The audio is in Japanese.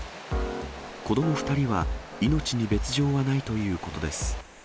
子ども２人は命に別状はないということです。